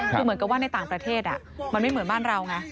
คือเหมือนกับว่าในต่างประเทศมันไม่เหมือนบ้านเราไง